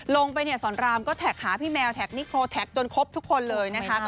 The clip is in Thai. ลงไปเนี่ยสอนรามก็แท็กหาพี่แมวแท็กนิโครแท็กจนครบทุกคนเลยนะคะ